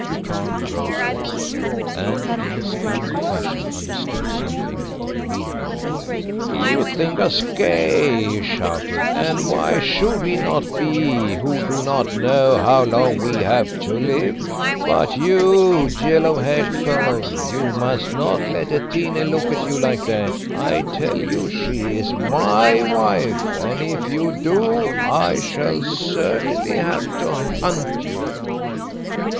The Khan rose also, and in his cunning fashion understood something of the meaning of it all. "You think us gay," he shouted; "and why should we not be who do not know how long we have to live? But you yellow haired fellow, you must not let Atene look at you like that. I tell you she is my wife, and if you do, I shall certainly have to hunt you."